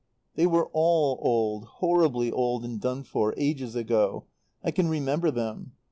"They were all old, horribly old and done for, ages ago. I can remember them.